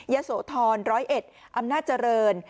เยษฐรรย์๑๐๑อำนาจเจริญ